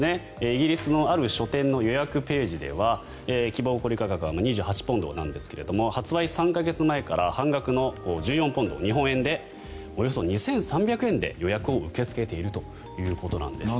イギリスのある書店の予約ページでは希望小売価格は２８ポンドなんですが発売３か月前から半額の１４ポンド日本円でおよそ２３００円で予約を受け付けているということです。